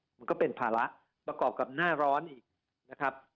มันก็เป็นภาระประกอบกับหน้าร้อนอีกนะครับ